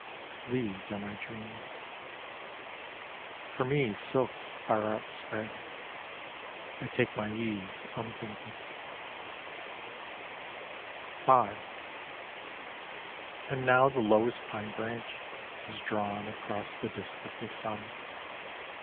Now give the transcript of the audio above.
These are my dreams. For me silks are outspread. I take my ease, unthinking. V And now the lowest pine branch Is drawn across the disk of the sun.